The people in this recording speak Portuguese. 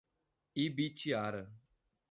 Ibitiara